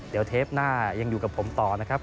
เดี๋ยวเทปหน้ายังอยู่กับผมต่อนะครับ